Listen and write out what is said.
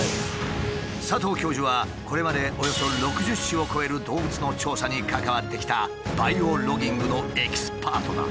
佐藤教授はこれまでおよそ６０種を超える動物の調査に関わってきたバイオロギングのエキスパートだ。